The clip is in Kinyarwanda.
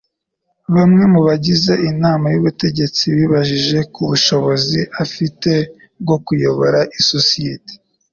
Bamwe mu bagize inama y'ubutegetsi bibajije ku bushobozi afite bwo kuyobora isosiyete.